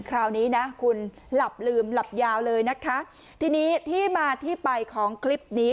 คราวนี้นะคุณหลับลืมหลับยาวเลยนะคะทีนี้ที่มาที่ไปของคลิปนี้